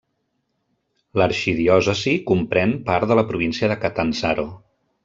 L'arxidiòcesi comprèn part de la província de Catanzaro.